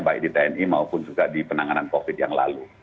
baik di tni maupun juga di penanganan covid yang lalu